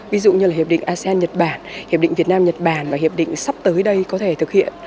ví dụ như là hiệp định asean nhật bản hiệp định việt nam nhật bản và hiệp định sắp tới đây có thể thực hiện